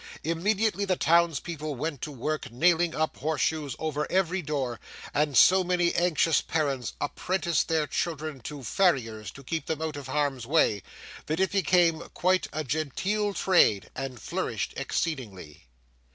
Immediately the towns people went to work nailing up horseshoes over every door, and so many anxious parents apprenticed their children to farriers to keep them out of harm's way, that it became quite a genteel trade, and flourished exceedingly.